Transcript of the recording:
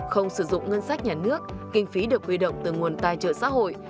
không sử dụng ngân sách nhà nước kinh phí được huy động từ nguồn tài trợ xã hội